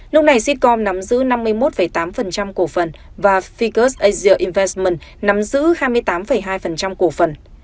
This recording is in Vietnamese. lúc này sitcom nắm giữ năm mươi một tám cổ phần và ficos asia invesment nắm giữ hai mươi tám hai cổ phần